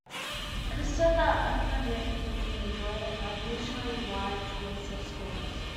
It is said that Holmer Green people enjoy an unusually wide choice of schools.